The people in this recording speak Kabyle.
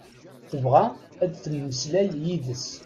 Tebɣa ad temmeslay yid-s.